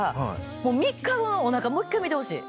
もう３日後のおなかもう１回見てほしい。